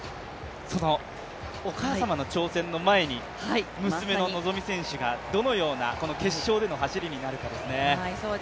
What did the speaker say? そのお母様の挑戦の前に娘の希実選手がどのような決勝での走りになるかですね。